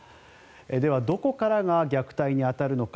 では、どこからが虐待に当たるのか